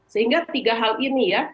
sehingga tiga hal ini ya